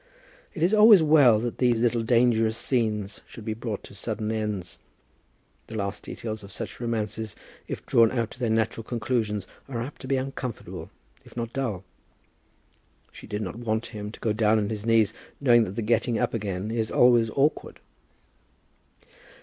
It is always well that these little dangerous scenes should be brought to sudden ends. The last details of such romances, if drawn out to their natural conclusions, are apt to be uncomfortable, if not dull. She did not want him to go down on his knees, knowing that the getting up again is always awkward.